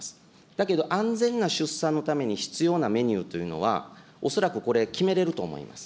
だけど安全な出産のために必要なメニューというのは、恐らくこれ、決めれると思います。